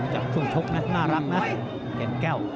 จากช่วงชกนะน่ารักนะแก่นแก้ว